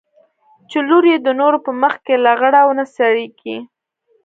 چې لور يې د نورو په مخ کښې لغړه ونڅېږي.